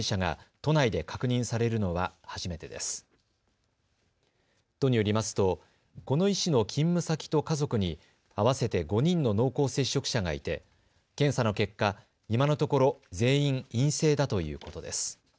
都によりますとこの医師の勤務先と家族に合わせて５人の濃厚接触者がいて検査の結果、今のところ全員陰性だということです。